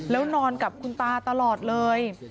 แล้วนอนกับคุณตาตลอดเลย